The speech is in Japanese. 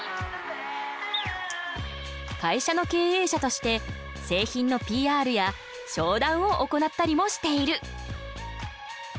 会社の経営者として製品のＰＲや商談を行ったりもしている。